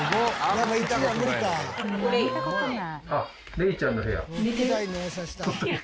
怜ちゃんの部屋？